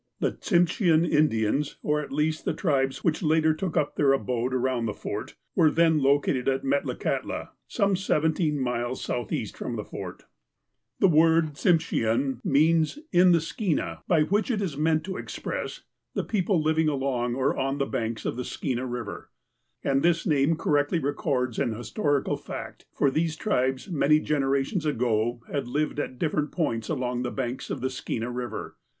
The Tsimshean Indians, or at least the tribes whicli later on took up their abode around the Fort, were then located at Metlakahtla, some seventeen miles southeast from the Fort. I I AT THE FORT 53 The word " Tsimshean " means "in the Skeena," by which is meant to express :" the j)eople living along or on the banks of the Skeena River," and this name cor rectly records an historical fact, for these tribes, many generations ago, had lived at different points along the banks of the Skeena River.